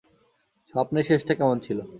স্বপ্নের শেষটা কেমন ছিল?